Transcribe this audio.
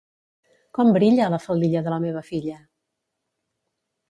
Com brilla, la faldilla de la meva filla!